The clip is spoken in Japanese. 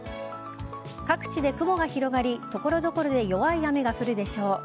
各地で雲が広がり所々で弱い雨が降るでしょう。